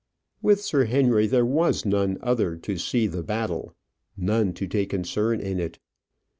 With Sir Henry, there was none other to see the battle, none to take concern in it.